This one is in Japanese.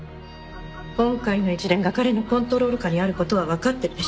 今回の一連が彼のコントロール下にある事はわかってるでしょう？